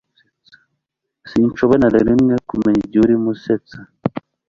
Sinshobora na rimwe kumenya igihe urimo usetsa